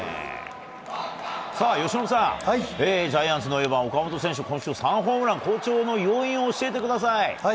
由伸さん、ジャイアンツの４番岡本選手は今週、３ホームラン好調の要因を教えてください。